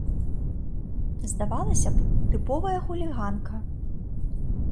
Здавалася б, тыповая хуліганка.